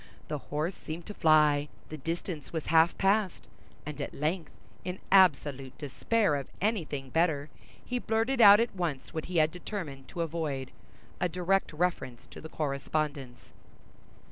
The horse seemed to fly—the distance was half past—and at length, in absolute despair of anything better, he blurted out at once what he had determined to avoid—a direct reference to the correspondence.